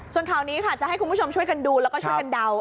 ส่วนข่าวนี้ค่ะจะให้คุณผู้ชมช่วยกันดูแล้วก็ช่วยกันเดา